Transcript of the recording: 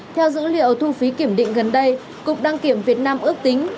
theo dữ liệu thu phí kiểm định gần đây cục đăng kiểm việt nam ước tính